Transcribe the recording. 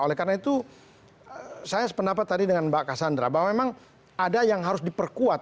oleh karena itu saya sependapat tadi dengan mbak cassandra bahwa memang ada yang harus diperkuat